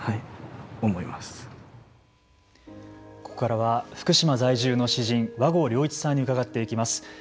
ここからは福島在住の詩人和合亮一さんに伺っていきます。